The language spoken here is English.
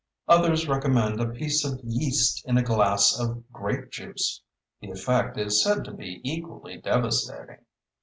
Others recommend a piece of yeast in a glass of grape juice. The effect is said to be equally devastating.